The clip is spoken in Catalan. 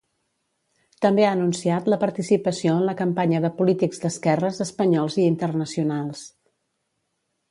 També ha anunciat la participació en la campanya de polítics d'esquerres espanyols i internacionals.